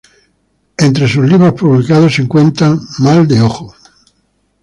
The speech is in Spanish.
Entre sus libros publicados se cuentan: "Mal de ojo.